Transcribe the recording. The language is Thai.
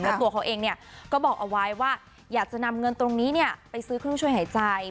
แล้วตัวเขาเองเนี่ยก็บอกเอาไว้ว่าอยากจะนำเงินตรงนี้ไปซื้อเครื่องช่วยหายใจ